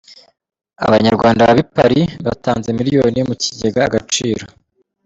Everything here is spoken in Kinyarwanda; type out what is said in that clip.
Abanyarwanda baba i Parisi batanze Miliyoni mu Kigega Agaciro